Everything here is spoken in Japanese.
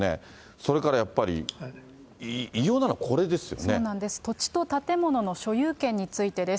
それからやっぱり、異様なのはこそうなんです、土地と建物の所有権についてです。